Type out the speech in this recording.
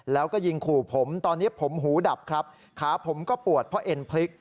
แล้วก็ยิงขู่ผมตอนนี้ผมหูดับครับขาผมก็ปวดเพราะเอ็นพลิก